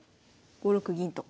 ５六銀と。